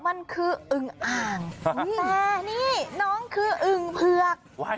มันคืออึงอ่างแต่นี่น้องคืออึ่งเผือก